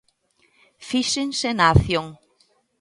Fíxense na acción.